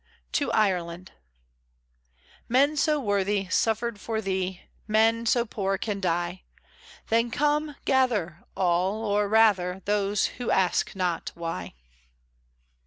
TO IRELAND Men so worthy Suffered for Thee, Men so poor can die; Then come gather All, or rather Those who ask not why.